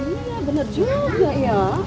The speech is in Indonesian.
iya bener juga ya